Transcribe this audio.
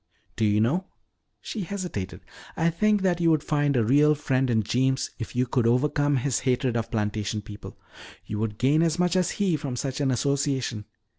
Do you know," she hesitated, "I think that you would find a real friend in Jeems if you could overcome his hatred of plantation people. You would gain as much as he from such an association.